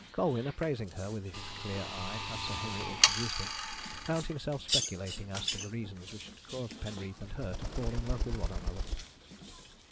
Colwyn, appraising her with his clear eye as Sir Henry introduced him, found himself speculating as to the reasons which had caused Penreath and her to fall in love with one another.